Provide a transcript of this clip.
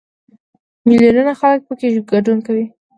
میلیونونه خلک پکې ګډون کوي.